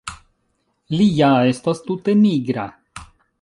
Li ja estas tute nigra!